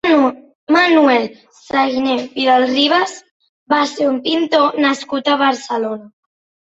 Manuel Sagnier Vidal-Ribas va ser un pintor nascut a Barcelona.